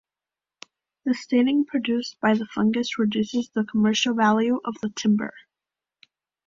The staining produced by the fungus reduces the commercial value of the timber.